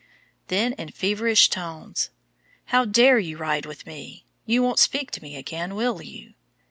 Then in feverish tones, "How dare you ride with me? You won't speak to me again, will you?"